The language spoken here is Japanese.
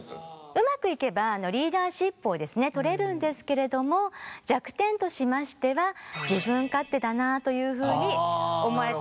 うまくいけばリーダーシップをですね取れるんですけれども弱点としましては自分勝手だなというふうに思われてしまう可能性もあります。